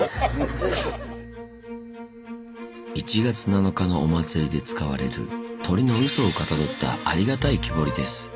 １月７日のお祭りで使われる鳥の「鷽」をかたどったありがたい木彫りです。